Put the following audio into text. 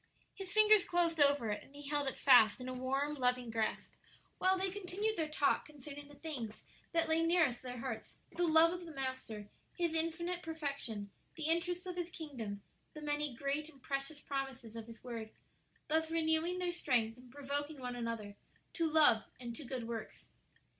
His fingers closed over it, and he held it fast in a warm, loving grasp, while they continued their talk concerning the things that lay nearest their hearts the love of the Master, His infinite perfection, the interests of His kingdom, the many great and precious promises of His word thus renewing their strength and provoking one another to love and to good works.